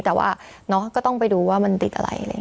แต่ว่าก็ต้องไปดูว่ามันติดอะไร